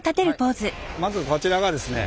まずこちらがですね